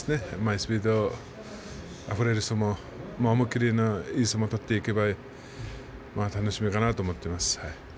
スピードあふれる相撲思い切りのいい相撲取っていけば楽しみかなと思っています。